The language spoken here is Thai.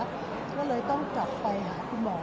ก็เลยต้องกลับไปหาคุณหมอ